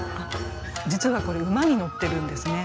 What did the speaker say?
実はこれ馬に乗ってるんですね。